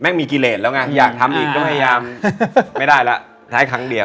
งมีกิเลสแล้วไงอยากทำอีกก็พยายามไม่ได้แล้วใช้ครั้งเดียว